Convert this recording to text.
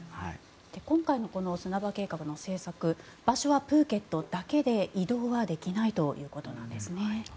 今回の砂場計画の政策場所はプーケットだけで移動はできないということです。